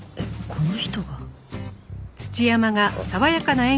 この人が？